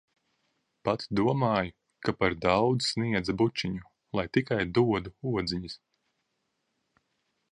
Pat domāju, ka par daudz sniedza bučiņu, lai tikai dodu odziņas.